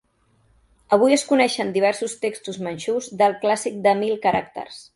Avui es coneixen diversos textos manxús del "Clàssic de mil caràcters".